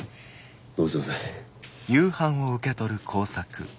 どうもすいません。